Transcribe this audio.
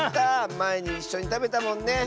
まえにいっしょにたべたもんね。